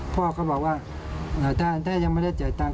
พ่อก็บอกว่าถ้ายังไม่ได้จ่ายตัง